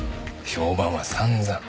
評判は散々。